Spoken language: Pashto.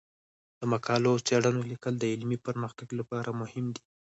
د مقالو او څیړنو لیکل د علمي پرمختګ لپاره مهم دي.